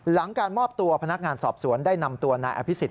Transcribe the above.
หลังการมอบตัวพนักงานสอบสวนได้นำตัวนายอภิษฎ